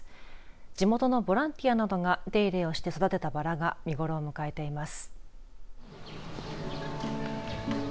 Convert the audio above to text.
地元のボランティアなどが手入れをして育ったばらが見頃を迎えています。